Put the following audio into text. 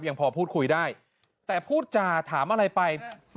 ยังพอพูดคุยได้แต่พูดจาถามอะไรไป